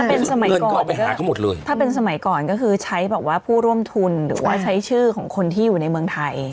เป็นสมัยก่อนออกไปหาเขาหมดเลยถ้าเป็นสมัยก่อนก็คือใช้แบบว่าผู้ร่วมทุนหรือว่าใช้ชื่อของคนที่อยู่ในเมืองไทย